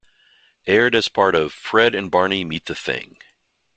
Aired as part of "Fred and Barney Meet The Thing"